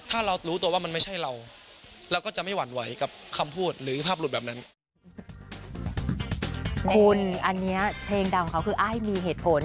คุณอันนี้เพลงดังของเขาคือไอฟ์มีเหตุผล